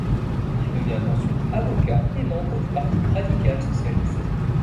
Il devient ensuite avocat et membre du parti radical-socialiste.